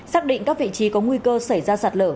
xác định các vị trí có nguy cơ xảy ra sạt lở